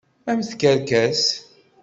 A mm tkerkas.